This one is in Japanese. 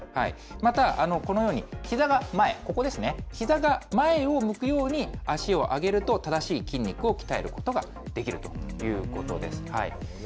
また、このようにひざが前、ここですね、ひざが前を向くように脚を上げると、正しい筋肉を鍛えることができるということです。